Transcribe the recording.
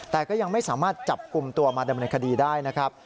แต่ก็ยังไม่สามารถจับกลุ่มตัวมาดำเนินคดีได้นะครับ